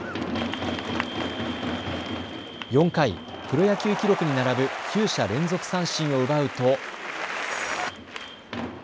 ４回、プロ野球記録に並ぶ９者連続三振を奪うと。